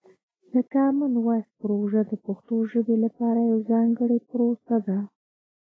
د کامن وایس پروژه د پښتو ژبې لپاره یوه ځانګړې پروسه ده.